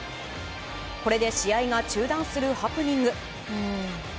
これで試合が中断するハプニング。